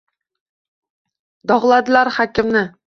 Dog’ladilar hakimni.